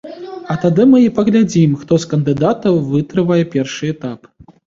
А тады мы і паглядзім, хто з кандыдатаў вытрывае першы этап.